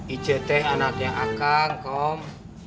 icetnya anaknya akan kom